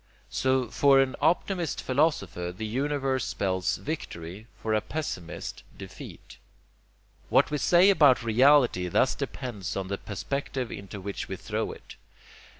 So, for an optimist philosopher the universe spells victory, for a pessimist, defeat. What we say about reality thus depends on the perspective into which we throw it.